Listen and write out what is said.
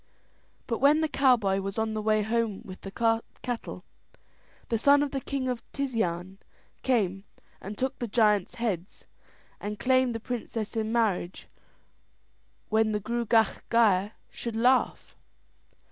But when the cowboy was on the way home with the cattle, the son of the king of Tisean came and took the giant's heads and claimed the princess in marriage when the Gruagach Gaire should laugh.